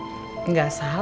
emangnya salah ya bu